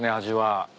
味は。